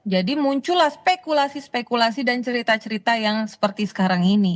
jadi muncullah spekulasi spekulasi dan cerita cerita yang seperti sekarang ini